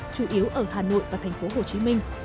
chủ yếu ở hà nội và thành phố hồ chí minh